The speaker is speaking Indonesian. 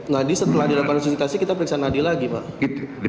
nadi setelah dilakukan resistensi kita periksa nadi lagi pak